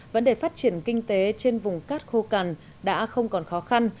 vấn đề phát triển kinh tế trên vùng cát khô cằn đã không còn khó khăn